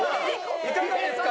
いかがですか？